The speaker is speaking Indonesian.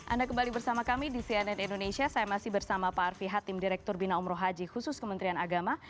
anda kembali bersama kami di cnn indonesia saya masih bersama pak arfi hatim direktur bina umroh haji khusus kementerian agama